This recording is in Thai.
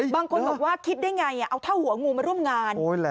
บางคนบอกว่าคิดได้ไงเอาเท่าหัวงูมาร่วมงาน